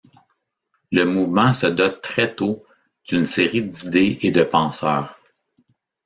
Le mouvement se dote très tôt d'une série d'idées et de penseurs.